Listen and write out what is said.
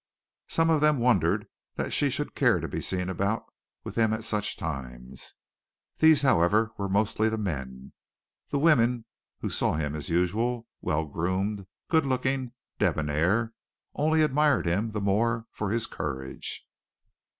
Some of them wondered that she should care to be seen about with him at such a time. These, however, were mostly the men. The women, who saw him as usual, well groomed, good looking, debonair, only admired him the more for his courage.